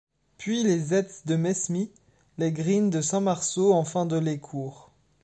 Puis les Aitz de Mesmy, les Green de Saint-Marsault enfin de Lescours.